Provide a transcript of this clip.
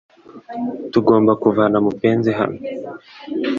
Tugomba kuvana mupenzi hano